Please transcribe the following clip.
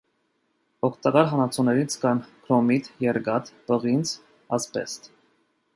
Օգտակար հանածոներից կան քրոմիտ, երկաթ, պղինձ, ասբեստ։